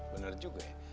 benar juga ya